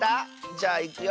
じゃあいくよ。